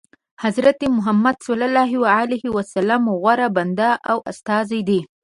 حضرت محمد صلی الله علیه وسلم غوره بنده او استازی دی.